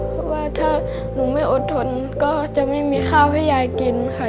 เพราะว่าถ้าหนูไม่อดทนก็จะไม่มีข้าวให้ยายกินค่ะ